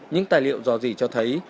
những tài liệu dò dỉ cho thấy